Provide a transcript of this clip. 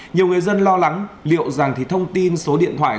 nhiều người dân lo lắng liệu rằng thông tin số điện thoại